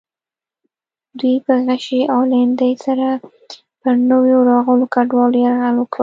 دوی په غشي او لیندۍ سره پر نویو راغلو کډوالو یرغل وکړ.